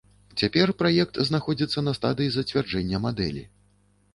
Цяпер праект знаходзіцца на стадыі зацвярджэння мадэлі.